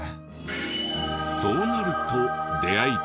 そうなると出会い定食